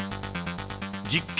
実験